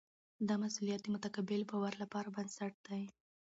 دا مسؤلیت د متقابل باور لپاره بنسټ دی.